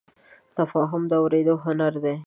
تفاهم د اورېدو هنر دی.